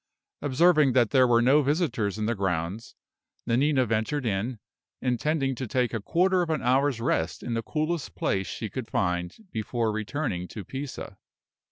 Observing that there were no visitors in the grounds, Nanina ventured in, intending to take a quarter of an hour's rest in the coolest place she could find before returning to Pisa.